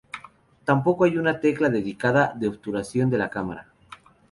Tampoco hay una tecla dedicada de obturación de la cámara;.